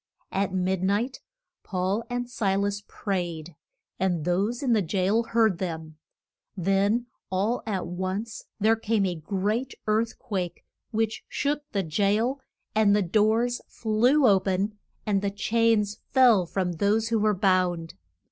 At mid night Paul and Si las prayed, and those in the jail heard them. Then all at once there came a great earth quake which shook the jail, and the doors flew o pen, and the chains fell from those who were bound.